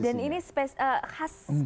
dan ini khas